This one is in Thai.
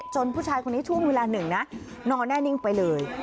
ผู้ชายคนนี้ช่วงเวลาหนึ่งนะนอนแน่นิ่งไปเลย